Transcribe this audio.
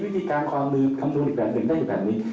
วิธีการคำนวณอีกแบบนึงได้อยู่แบบนี้